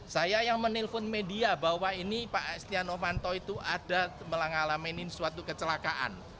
saya yang menelpon media bahwa ini pak setianowanto itu ada mengalaminin suatu kecelakaan